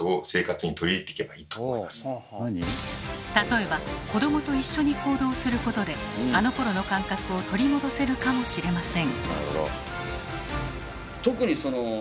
例えば子どもと一緒に行動することであのころの感覚を取り戻せるかもしれません。